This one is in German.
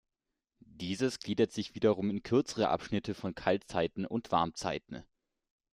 Dieses gliedert sich wiederum in kürzere Abschnitte von Kaltzeiten und Warmzeiten.